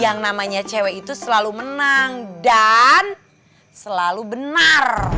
yang namanya cewek itu selalu menang dan selalu benar